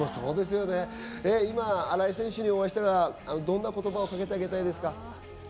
今、新井選手にお会いしたら、どんな言葉をかけたいですか？